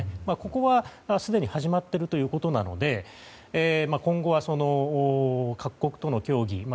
ここはすでに始まっているということなので今後は各国との協議